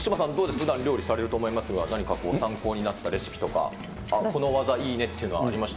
ふだん料理されると思いますが、何か参考になったレシピとか、この技いいねっていうのありました？